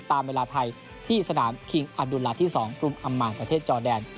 ตามเวลาไทยที่สนามคิงอับดุลลาที่๒กรุงอำมานประเทศจอแดน